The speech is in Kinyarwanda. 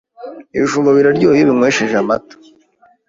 ibijumba biraryoha iyo ubinywesheje amata